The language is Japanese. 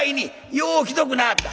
よう来とくんなはった。